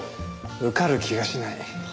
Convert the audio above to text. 受かる気がしない。